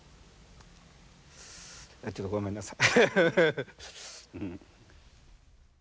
ちょっとごめんなさい。